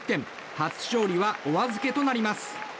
初勝利はお預けとなります。